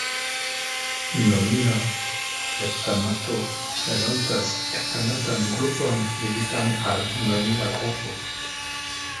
Nonila heptanato prezentas heptanatan grupon ligitan al nonila grupo.